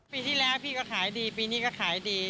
ปีที่แล้วพี่ก็ขายดีปีนี้ก็ขายดี